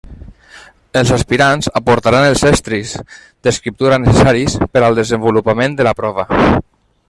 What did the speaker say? Els aspirants aportaran els estris d'escriptura necessaris per al desenvolupament de la prova.